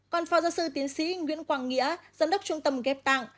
còn phó giáo sư tiến sĩ nguyễn quang nghĩa giám đốc trung tâm ghép tạng